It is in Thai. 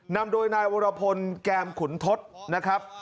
นำโดยนายวรพลแก้มขุนทศนะครับ